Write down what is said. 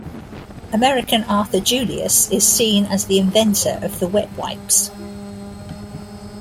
American Arthur Julius is seen as the inventor of the wet wipes.